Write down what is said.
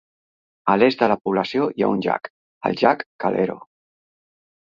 A l'est de la població hi ha un llac, el llac Calero.